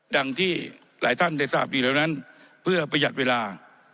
ที่หลายท่านได้ทราบอยู่แล้วนั้นเพื่อประหยัดเวลา